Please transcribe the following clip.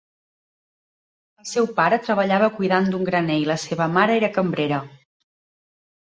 El seu pare treballava cuidant d'un graner i la seva mare era cambrera.